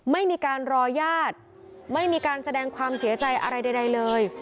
ไม่มีการรอญาติไม่มีการแสดงความเสียใจอะไรใดเลย